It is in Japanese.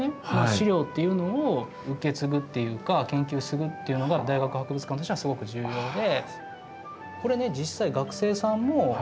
資料っていうのを受け継ぐっていうか研究するっていうのが大学博物館としてはすごく重要で。